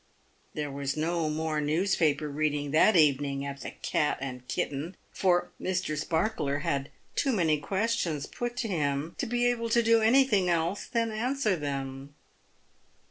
There was no more newspaper reading that evening at the " Cat and Kitten," for Mr. Sparkler had too many questions put to him to be able to do anything else than answer them.